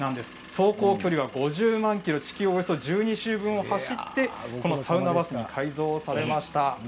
走行距離は５０万ｋｍ地球１２周分走ってサウナバスに改造されました。